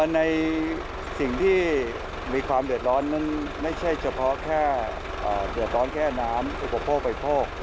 ในสิ่งที่มีความเดือดร้อนนั้นไม่ใช่เฉพาะแค่เดือดร้อนแค่น้ำอุปโภคบริโภค